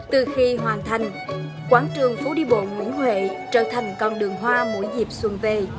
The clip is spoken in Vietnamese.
từ khi hoàn thành quảng trường phố đi bộ nguyễn huệ trở thành con đường hoa mỗi dịp xuân về